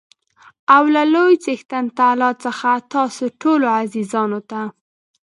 او له لوى څښتن تعالا څخه تاسو ټولو عزیزانو ته